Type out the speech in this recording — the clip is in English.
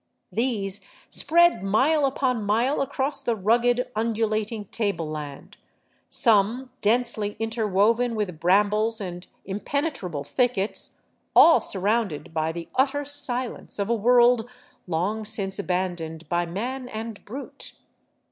These spread mile upon mile across the rugged, undulating tableland, some densely interwoven with brambles and impenetrable thickets, all surrounded by the utter silence of a world long since abandoned by man and brute.